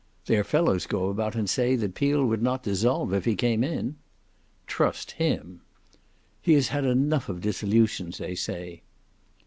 "Their fellows go about and say that Peel would not dissolve if he came in." "Trust him!" "He has had enough of dissolutions they say."